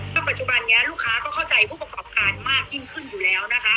ปัจจุบันนี้ลูกค้าก็เข้าใจผู้ประกอบการมากยิ่งขึ้นอยู่แล้วนะคะ